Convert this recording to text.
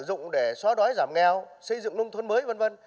sử dụng để xóa đói giảm nghèo xây dựng nông thuận mới vân vân